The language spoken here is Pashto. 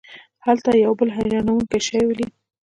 هلته هغه یو بل حیرانوونکی شی ولید.